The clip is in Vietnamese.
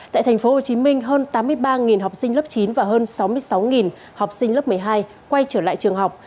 tại thành phố hồ chí minh hơn tám mươi ba học sinh lớp chín và hơn sáu mươi sáu học sinh lớp một mươi hai quay trở lại trường học